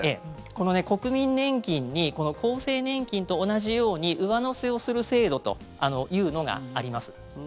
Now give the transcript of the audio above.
この国民年金にこの厚生年金と同じように上乗せをする制度というのがあります。